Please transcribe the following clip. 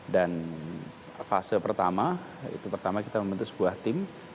dan fase pertama itu pertama kita membentuk sebuah tim